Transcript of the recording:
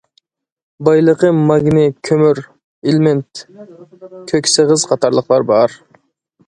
بايلىقى ماگنىي، كۆمۈر، ئىلمېنىت، كۆك سېغىز قاتارلىقلار بار.